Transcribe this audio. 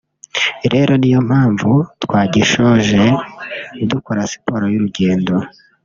rero ni yo mpamvu twagishoje dukora siporo y’urugendo